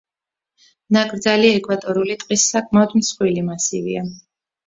ნაკრძალი ეკვატორული ტყის საკმაოდ მსხვილი მასივია.